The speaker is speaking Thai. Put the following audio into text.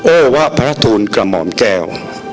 โอ้วะพระทูลกระหม่อมแก้ว